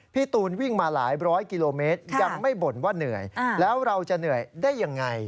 พี่ตูนวิ่งมาหลายบร้อยกิโลเมตรยังไม่บ่นว่าเหนื่อย